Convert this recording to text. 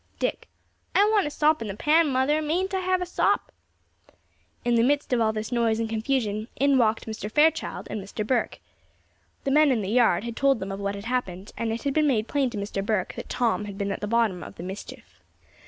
Dick. "I want a sop in the pan, mother mayn't I have a sop?" In the midst of all this noise and confusion, in walked Mr. Fairchild and Mr. Burke. The men in the yard had told them of what had happened; and it had been made plain to Mr. Burke that Tom had been at the bottom of the mischief.